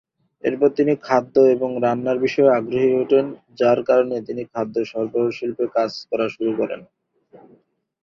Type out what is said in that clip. এরপর তিনি খাদ্য এবং রান্নার বিষয়ে আগ্রহী হয়ে ওঠেন; যার কারণে তিনি খাদ্য সরবরাহ শিল্পে কাজ করা শুরু করেন।